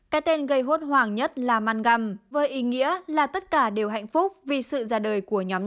cái tên gây hốt hoảng nhất là mangam với ý nghĩa là tất cả đều hạnh phúc vì sự ra đời của nhóm